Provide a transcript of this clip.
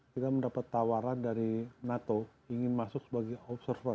kita mendapat tawaran dari nato ingin masuk sebagai observer